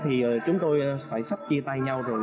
thì chúng tôi phải sắp chia tay nhau rồi